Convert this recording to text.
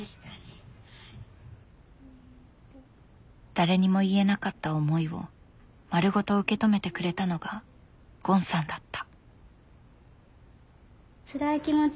誰にも言えなかった思いを丸ごと受け止めてくれたのがゴンさんだった。